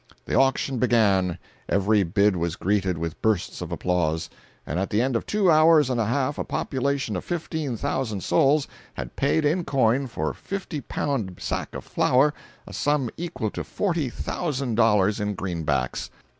The auction began, every bid was greeted with bursts of applause, and at the end of two hours and a half a population of fifteen thousand souls had paid in coin for a fifty pound sack of flour a sum equal to forty thousand dollars in greenbacks!